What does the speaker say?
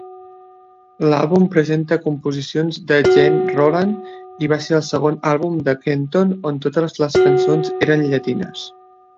L'àlbum presenta composicions de Gene Roland i va ser el segon àlbum de Kenton on totes les cançons eren llatines.